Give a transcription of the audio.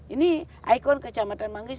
ini ikon kecamatan manggis